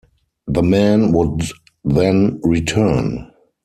The men would then return.